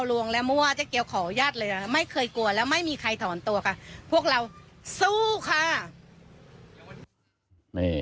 พวกเราสู้ค่ะ